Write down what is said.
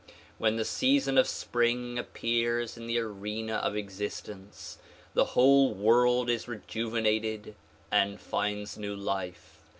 When the season of spring appears in the arena of existence the whole world is rejuvenated and finds new life.